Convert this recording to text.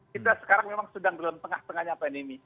kita sekarang memang sedang dalam tengah tengahnya pandemi